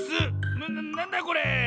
ななんだこれ？